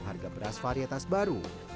harga beras varietas baru